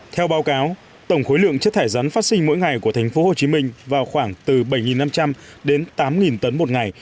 theo báo cáo tổng khối lượng chất thải rắn phát sinh mỗi ngày của thành phố hồ chí minh vào khoảng từ bảy năm trăm linh đến tám tấn một ngày